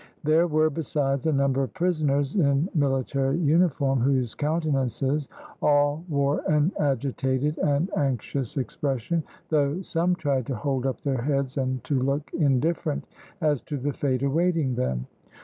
There were, besides, a number of prisoners in military uniform, whose countenances all wore an agitated and anxious expression, though some tried to hold up their heads and to look indifferent as to the fate awaiting them.